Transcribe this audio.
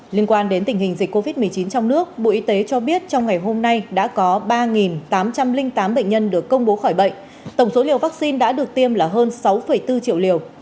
liên quan đến tình hình dịch covid một mươi chín trong nước bộ y tế cho biết trong ngày hôm nay đã có ba tám trăm linh tám bệnh nhân được công bố khỏi bệnh tổng số liều vaccine đã được tiêm là hơn sáu bốn triệu liều